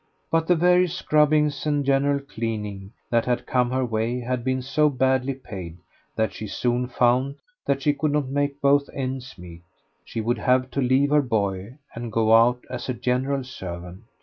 But the various scrubbings and general cleaning that had come her way had been so badly paid that she soon found that she could not make both ends meet. She would have to leave her boy and go out as a general servant.